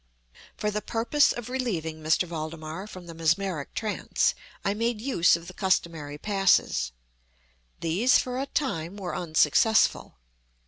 For the purpose of relieving M. Valdemar from the mesmeric trance, I made use of the customary passes. These, for a time, were unsuccessful.